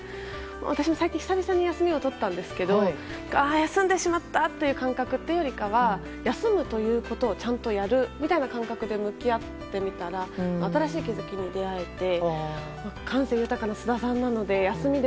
私も最近久々に休みを取ったんですけどああ、休んでしまったという感覚よりかは休むということをちゃんとやるという感覚で向き合ってみたら新しい気づきに出会えて。